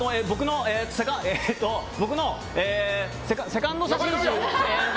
僕のセカンド写真集。